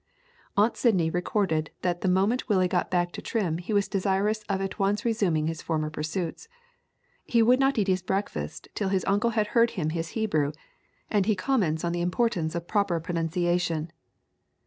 Aunt Sydney recorded that the moment Willie got back to Trim he was desirous of at once resuming his former pursuits. He would not eat his breakfast till his uncle had heard him his Hebrew, and he comments on the importance of proper pronunciation.